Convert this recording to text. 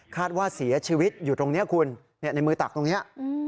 ว่าเสียชีวิตอยู่ตรงนี้คุณในมือตักตรงนี้